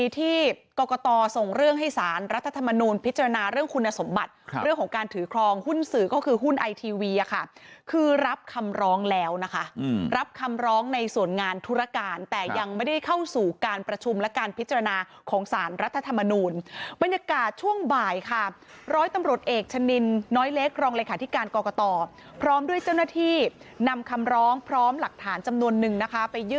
ที่กรกตส่งเรื่องให้สารรัฐธรรมนูลพิจารณาเรื่องคุณสมบัติเรื่องของการถือครองหุ้นสื่อก็คือหุ้นไอทีวีค่ะคือรับคำร้องแล้วนะคะรับคำร้องในส่วนงานธุรการแต่ยังไม่ได้เข้าสู่การประชุมและการพิจารณาของสารรัฐธรรมนูลบรรยากาศช่วงบ่ายค่ะร้อยตำรวจเอกชะนินน้อยเล็กรองรายขาดที่การกรก